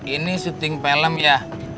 ini syuting film ya